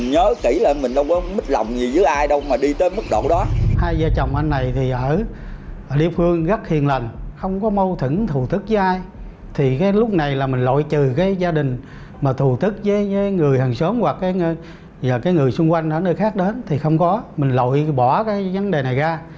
hai gia chồng anh này thì ở địa phương rất hiền lành không có mâu thử thù thức với ai thì cái lúc này là mình lội trừ cái gia đình mà thù thức với người hàng xóm hoặc là người xung quanh ở nơi khác đến thì không có mình lội bỏ cái vấn đề này ra